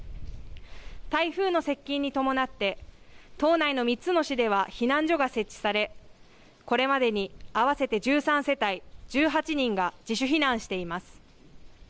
台風の接近に伴って島内の３つの市では避難所が設置されこれまでに合わせて１３世帯１８人が自主避難しています。